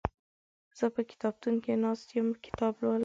زه په کتابتون کې ناست يم کتاب لولم